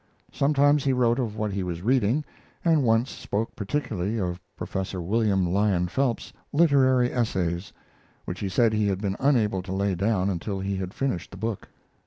Sometimes he wrote of what he was reading, and once spoke particularly of Prof. William Lyon Phelps's Literary Essays, which he said he had been unable to lay down until he had finished the book.